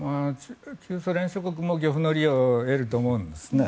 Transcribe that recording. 旧ソ連諸国も漁夫の利を得ると思うんですね。